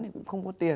thì cũng không có tiền